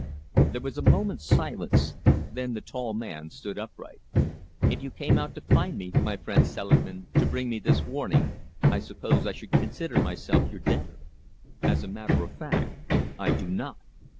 There was a moment's silence. Then the tall man stood upright. "If you came out to find me, my friend Selingman, to bring me this warning, I suppose I should consider myself your debtor. As a matter of fact, I do not.